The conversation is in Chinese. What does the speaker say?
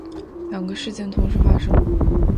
两个事件同时发生